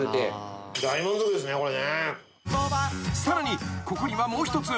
［さらにここにはもう一つ